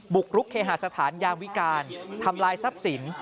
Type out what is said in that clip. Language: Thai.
กรุกเคหาสถานยามวิการทำลายทรัพย์สิน